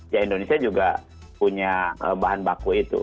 ya indonesia juga punya bahan baku itu